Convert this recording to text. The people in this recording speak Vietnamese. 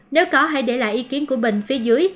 nếu có hãy để lại ý kiến của bình phía dưới